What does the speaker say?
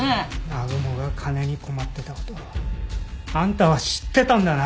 南雲が金に困ってた事をあんたは知ってたんだな。